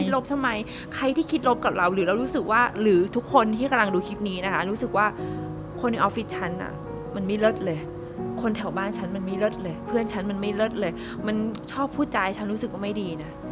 ลบทำไมใครที่คิดลบกับเราหรือเรารู้สึกว่าหรือทุกคนที่กำลังดูคลิปนี้นะคะรู้สึกว่าคนในออฟฟิศฉันมันไม่เลิศเลยคนแถวบ้านฉันมันไม่เลิศเลยเพื่อนฉันมันไม่เลิศเลยมันชอบพูดจาฉันรู้สึกว่าไม่ดีนะ